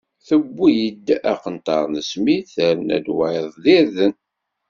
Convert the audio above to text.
Tawwi-d aqenṭar n smid, terna-d wayeḍ d irden.